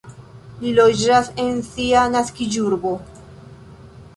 Li loĝas en sia naskiĝurbo.